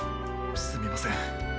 すみません。